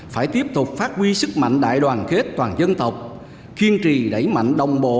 phải tiếp tục phát huy sức mạnh đại đoàn kết toàn dân tộc kiên trì đẩy mạnh đồng bộ